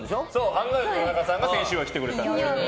アンガールズ田中さんが先週は来てくれた。